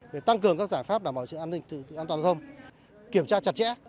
để tăng cường các giải pháp đảm bảo sự an toàn giao thông kiểm tra chặt chẽ